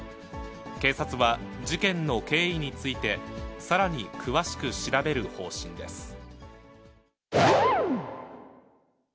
警察は、事件の経緯についてさらに詳しく調べる方針です。